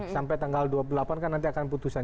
sampai tanggal dua puluh delapan kan nanti akan putusan